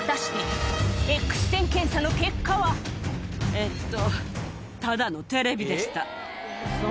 えっと。